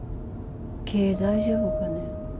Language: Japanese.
経営大丈夫かね。